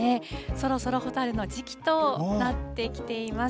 そろそろ蛍の時期となってきています。